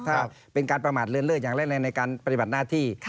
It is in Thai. ถ้าเป็นการประหมาติเลื่อนเลือกอย่างเล่นในการปฏิบัติหน้าที่